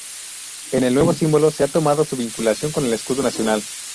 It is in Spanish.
En el nuevo símbolo se ha tomado su vinculación con el escudo nacional.